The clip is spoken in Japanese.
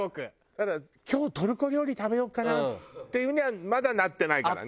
ただ今日トルコ料理食べようかなっていう風にはまだなってないからね。